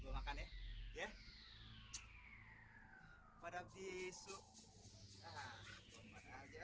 ya pada besok aja